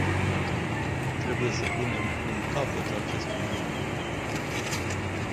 Trebuie să punem un capăt acestui lucru.